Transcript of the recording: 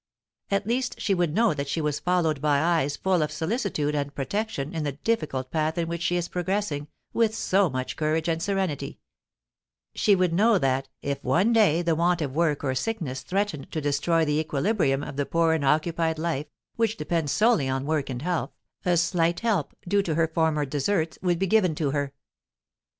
At least she would know that she was followed by eyes full of solicitude and protection in the difficult path in which she is progressing with so much courage and serenity; she would know that, if one day the want of work or sickness threatened to destroy the equilibrium of the poor and occupied life, which depends solely on work and health, a slight help, due to her former deserts, would be given to her.